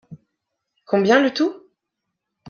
Combien le tout ?